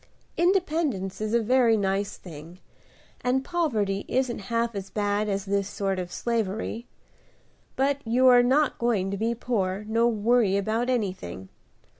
Independence is a very nice thing, and poverty isn't half as bad as this sort of slavery. But you are not going to be poor, nor worry about anything.